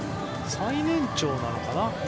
最年長なのかな。